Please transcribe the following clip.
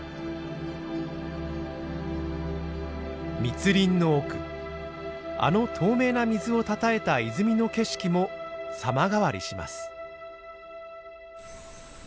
密林の奥あの透明な水をたたえた泉の景色も様変わりします。